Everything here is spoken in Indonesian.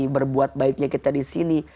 berbuat baiknya kita disini